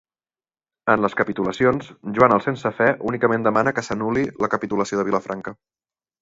En les Capitulacions, Joan el Sense Fe únicament demana que s'anul·li la Capitulació de Vilafranca.